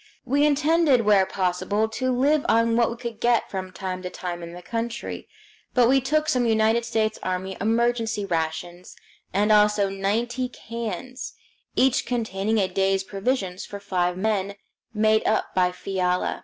We intended where possible to live on what we could get from time to time in the country, but we took some United States Army emergency rations, and also ninety cans, each containing a day's provisions for five men, made up by Fiala.